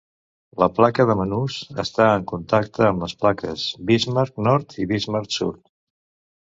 La placa de Manus està en contacte amb les plaques Bismarck Nord i Bismarck Sud.